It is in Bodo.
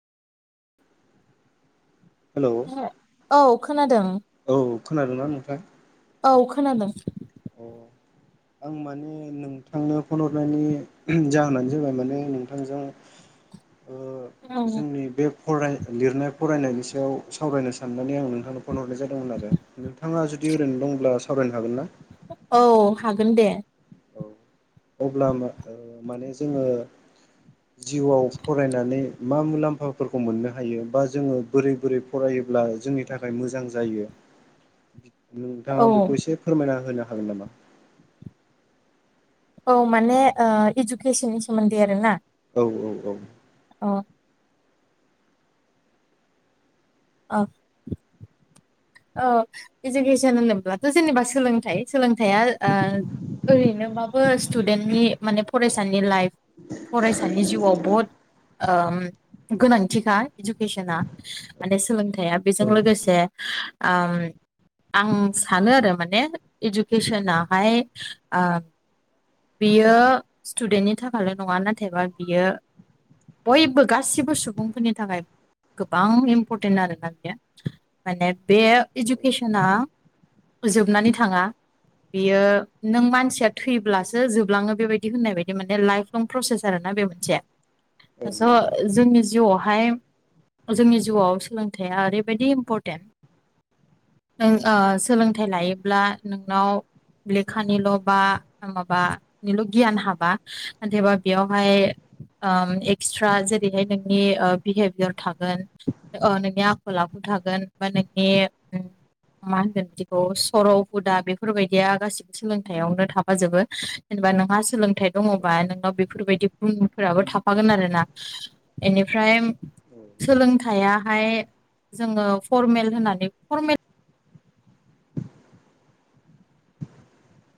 हेलौ औ औ खोनादों खोनादोंना नोंथां औ खोनादों औ आं माने नोंथांनो फन हरनायनि जाहोनानो जाबाय माने नोंथांजों ओ जोंनि बे फराय लिरनाय फरायनायनि सायाव सावरायनो साननानै आं नोंथांनो फन हरनाय जादोंमोन आरो नोंथाङा जुदि जदि ओरै दंब्ला सावरायनो हागोन ना औ हागोन दे औ अब्ला मा-माने जोङो जिउआव फरायनानै मा मुलाम्फाफोरखौ मोननो हायो बा जोङो बोरै बोरै फरायोब्ला जोंनि थाखाय मोजां जायो औ नोंथाङा बेखौ एसे फोरमायना होनो हागोन नामा औ माने इडुकेसननि सोमोन्दै आरोना? औ औ औ औ ओ औ इडुकेसन होनोब्लाथ जेनेबा सोलोंथाइ सोलों थाया ओ ओरैनो माबो स्टुडेन्टनि माने फरायसानि लाइफ फरायसानि जिउआव बहुद ओम गोनांथिखा इडुकेसना माने सोलोंथाया औ बेजों लोगोसे ओम आं सानो आरो माने इडुकेसनाहाय बियो स्टुदेन्टनि थाखायल नङा नाथायबा बियो बयबो गासिबो सुबुंफोरनि थाखाय गोबां इम्परटेन आरोना बेयो माने बे इडुकेसना जोबनानै थाङा बियो नों मानसिया थैब्लासो जोबलाङो बेबायदि होननाय बायदि माने लाइफ लं प्रसेस आरो ना ना बे मोनसे औ नंगौ स जोंनि जिउआवहाय अ जिउआवस सोलोंथाया ओरैबायदि इम्परटेन नों ओ सोलोंथाइ लायोब्ला नोंनाव लेखानिल बा माबा निल गियान हाबा आनथायबा बेयावहाय ओ एक्सट्रा जेरैहाय नोंनि ओ बिहेभियार थागोन अ नोंनि आखल आखु थागोन बा नोंनि मा होनगोन बिदिखौ सर हुदा बेफोरबायदिया गासिबो सोलोंथायावनो थाफाजोबो बा नोंहा सोलों थाइ औ दङबा नोंनाव बेफोरबायदि गुनफोराबो थाफागोन आरोना बेनिफ्राय औ सोलोंथायाहाय जोङो फरमेल होननानै फरमेल